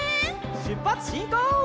しゅっぱつしんこう！